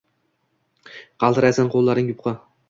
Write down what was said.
Qaltiraysan, qoʼllaring yupqa.